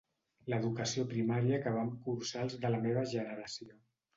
L'educació primària que vam cursar els de la meva generació.